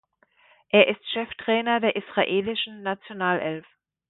Er ist Cheftrainer der israelischen Nationalelf.